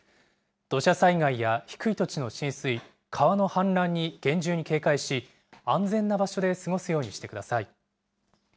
土砂災害や低い土地の浸水、川の氾濫に厳重に警戒し、安全な場所で過ごすようにしてください。